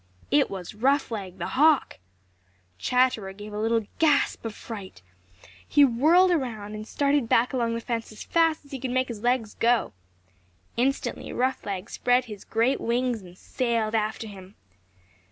It was Roughleg the Hawk! Chatterer gave a little gasp of fright. He whirled around and started back along the fence as fast as he could make his legs go. Instantly Roughleg spread his great wings and sailed after him.